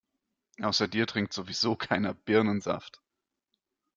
Außer dir trinkt sowieso keiner Birnensaft.